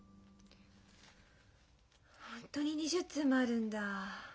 本当に２０通もあるんだ。